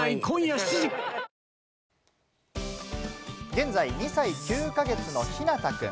現在２歳９か月のひなたくん。